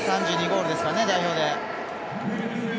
３２ゴールですからね、代表で。